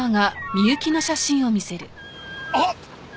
あっ！